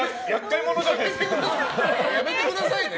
やめてくださいね。